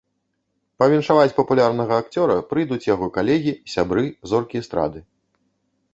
Павіншаваць папулярнага акцёра прыйдуць яго калегі, сябры, зоркі эстрады.